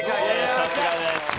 さすがです。